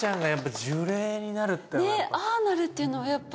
ああなるっていうのはやっぱ衝撃ですね。